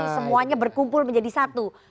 semuanya berkumpul menjadi satu